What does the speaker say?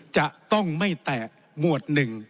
จะต้องไม่แต่หมวดหนึ่ง